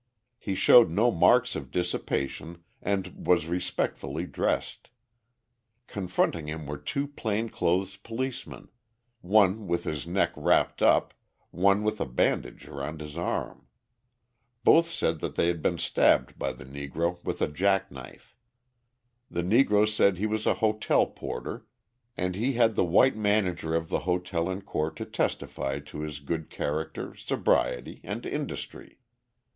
He showed no marks of dissipation and was respectably dressed. Confronting him were two plain clothes policemen, one with his neck wrapped up, one with a bandage around his arm. Both said they had been stabbed by the Negro with a jack knife. The Negro said he was a hotel porter and he had the white manager of the hotel in court to testify to his good character, sobriety, and industry.